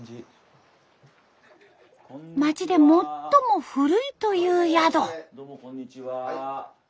町で最も古いという宿！